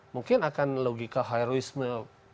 mungkin akan logika heroisme